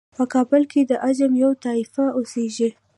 په کابل کې د عجم یوه طایفه اوسیږي.